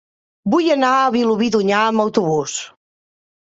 Vull anar a Vilobí d'Onyar amb autobús.